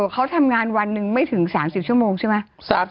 เขาทำงานวันหนึ่งไม่ถึง๓๐ชั่วโมงใช่ไหม